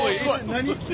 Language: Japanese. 何？